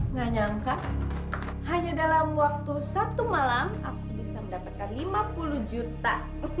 nggak nyangka hanya dalam waktu satu malam aku bisa mendapatkan lima puluh juta